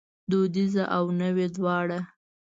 دودیزه او نوې دواړه